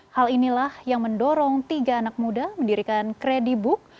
hal inilah yang mendorong tiga anak muda mendirikan kredibook